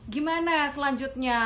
gimana ya selanjutnya